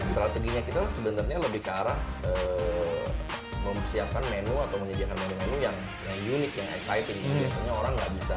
strateginya kita sebenarnya lebih ke arah mempersiapkan menu atau menyediakan menu menu yang unik yang exciting